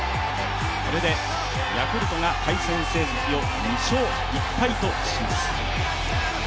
これでヤクルトが対戦成績を２勝１敗とします。